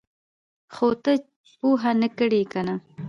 ـ خو ته یې پوهه نه کړې کنه!